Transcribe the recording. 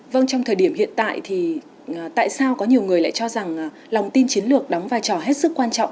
vâng trong thời điểm hiện tại thì tại sao có nhiều người lại cho rằng lòng tin chiến lược đóng vai trò hết sức quan trọng